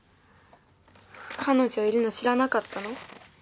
彼女いるの知らなかったの？